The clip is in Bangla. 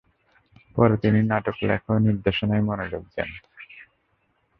পরে তিনি নাটক লেখা ও নির্দেশনায় মনোযোগ দেন।